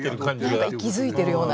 何か息づいてるような。